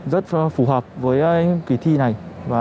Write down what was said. rất phù hợp với kỳ thi này